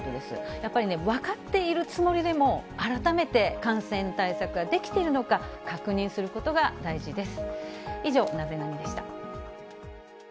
やっぱりね、分かっているつもりでも、改めて感染対策ができているのか確認することが大事です。